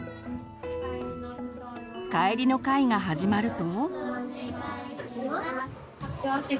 帰りの会が始まると。